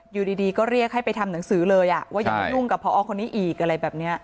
อยู่ดีก็เรียกให้ไปทำหนังสือเลยว่าอย่ามายุ่งกับพอคนนี้อีกอะไรแบบนี้